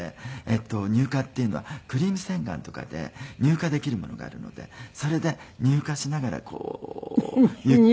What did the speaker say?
乳化っていうのはクリーム洗顔とかで乳化できるものがあるのでそれで乳化しながらこうゆっくり。